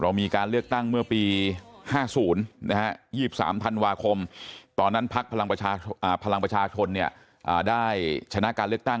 มีการเลือกตั้งเมื่อปี๕๐๒๓ธันวาคมตอนนั้นพักพลังประชาชนได้ชนะการเลือกตั้ง